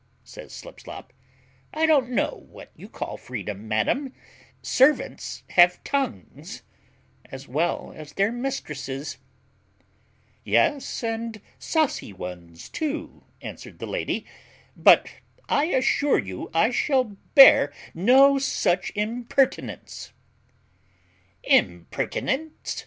says Slipslop; "I don't know what you call freedom, madam; servants have tongues as well as their mistresses." "Yes, and saucy ones too," answered the lady; "but I assure you I shall bear no such impertinence." "Impertinence!